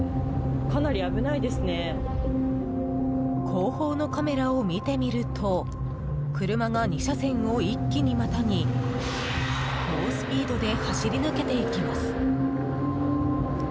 後方のカメラを見てみると車が２車線を一気にまたぎ猛スピードで走り抜けていきます。